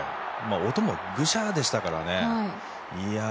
音もグシャッでしたからね。